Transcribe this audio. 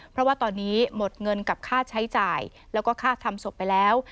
เพราะว่าตอนนี้หมดเงินกับค่าใช้จ่ายแล้วก็ค่าทำศพไปแล้ว